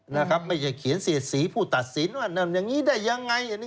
ไม่แสดงที่เขียนว่าเศรษฐีผู้ตัดสินอย่างนี้ได้อย่างไร